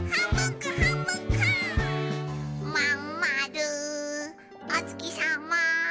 「まんまるおつきさま」